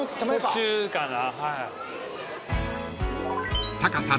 途中かな。